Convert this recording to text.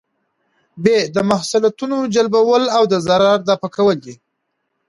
ب : د مصلحتونو جلبول او د ضرر دفعه کول